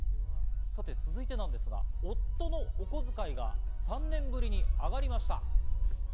続いてですが、夫のおこづかいが３年ぶりに上がりました。